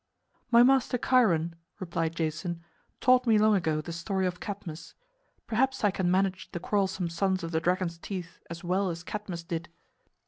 "My master Chiron," replied Jason, "taught me long ago the story of Cadmus. Perhaps I can manage the quarrelsome sons of the dragon's teeth as well as Cadmus did."